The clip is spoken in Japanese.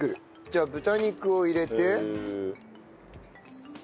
じゃあ豚肉を入れて。